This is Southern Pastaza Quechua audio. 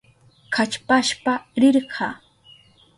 Kallpashpa rirka.